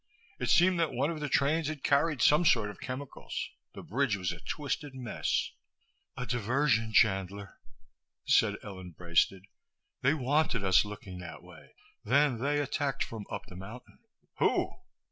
It seemed that one of the trains had carried some sort of chemicals. The bridge was a twisted mess. "A diversion, Chandler," said Ellen Braisted. "They wanted us looking that way. Then they attacked from up the mountain." "Who?"